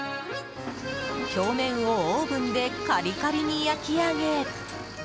表面をオーブンでカリカリに焼き上げ。